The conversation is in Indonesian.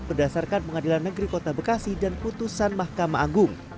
berdasarkan pengadilan negeri kota bekasi dan putusan mahkamah agung